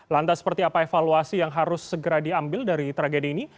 lantas seperti apa evaluasi yang harus segera diambil dari tragedi ini